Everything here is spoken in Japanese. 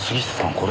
これ。